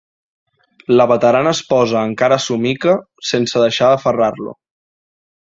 La veterana esposa encara somica, sense deixar d'aferrar-lo.